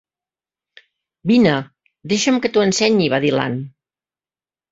"Vine, deixa'm que t'ho ensenyi", va dir l'Ann.